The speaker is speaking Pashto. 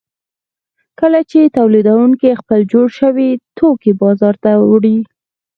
کله چې تولیدونکي خپل جوړ شوي توکي بازار ته وړي